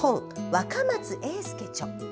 若松英輔著。